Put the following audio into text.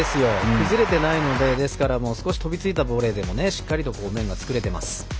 崩れていないので飛びついたボレーでもしっかりと面が作れてます。